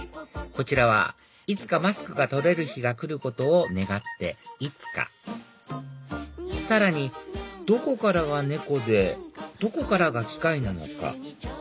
こちらはいつかマスクが取れる日が来ることを願って『いつか』さらにどこからが猫でどこからが機械なのか？